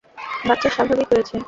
বাচ্চা স্বাভাবিক হয়েছে?